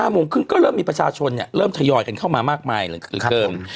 ๕โมงครึ่งก็เริ่มมีประชาชนเนี่ยเริ่มทยอยกันมามากมายหนึ่งกันขึ้น